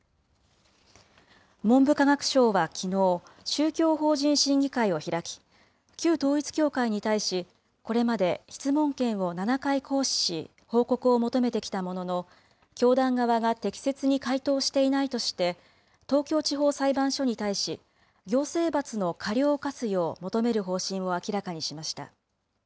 文部科学省はきのう、宗教法人審議会を開き、旧統一教会に対し、これまで質問権を７回行使し、報告を求めてきたものの、教団側が適切に回答していないとして、東京地方裁判所に対し、行政罰の過料を科すよう求める方針を明らかにしました。